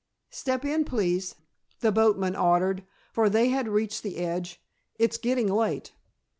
"Step in, please," the boatman ordered, for they had reached the edge. "It's getting late."